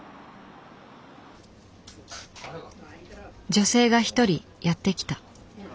女性が一人やって来た。